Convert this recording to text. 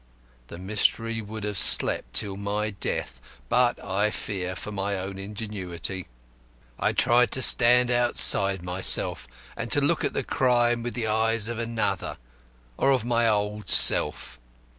The mystery would have slept till my death, but I fear for my own ingenuity. I tried to stand outside myself, and to look at the crime with the eyes of another, or of my old self.